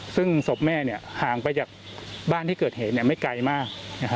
ซึ่งศพแม่ห่างไปจากบ้านที่เกิดเหตุไม่ไกลมาก